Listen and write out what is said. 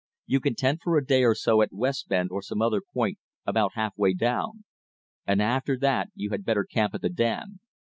You can tent for a day or so at West Bend or some other point about half way down; and after that you had better camp at the dam.